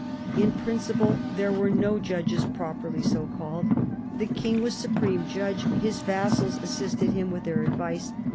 In principle there were no judges properly so called. The king was supreme judge ; his vassals assisted him with their advice.